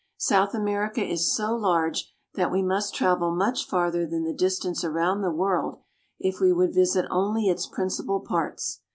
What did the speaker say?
South America is so large that we must travel much farther than the distance around the world if we would visit only its principal parts.